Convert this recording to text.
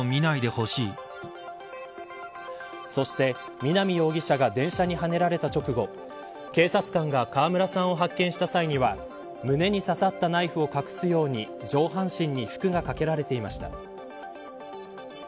そして南容疑者が電車にはねられた直後警察官が川村さんを発見した際には胸に刺さったナイフを隠すように上半身に服がかけられていました。